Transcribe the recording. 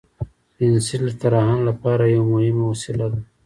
پنسل د طراحانو لپاره یو مهم وسیله ده.